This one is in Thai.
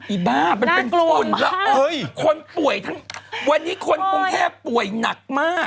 อ้ามันเป็นคนแล้วคนป่วยทั้งวันนี้คนกรุงเทพป่วยหนักมาก